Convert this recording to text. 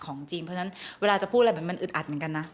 เพราะฉะนั้นเวลอาจะพูดอะไรมันอึดอัดนะ